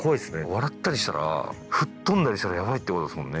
笑ったりしたら吹っ飛んだりしたらヤバいってことですもんね